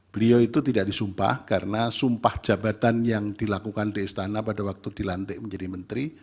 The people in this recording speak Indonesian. beliau itu tidak disumpah karena sumpah jabatan yang dilakukan di istana pada waktu dilantik menjadi menteri